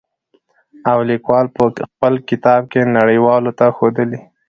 او ليکوال په خپل کتاب کې نړۍ والو ته ښودلي.